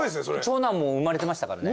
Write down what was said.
長男も生まれてましたからね。